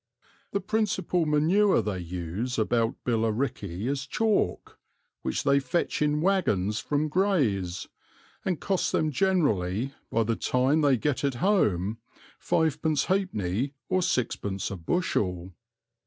The principal manure they use about Billericay is chalk, which they fetch in waggons from Grays, and costs them generally by the time they get it home 5 1/2d. or 6d. a bushel.